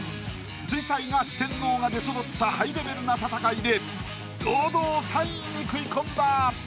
水彩画四天王が出そろったハイレベルな戦いで堂々３位に食い込んだ。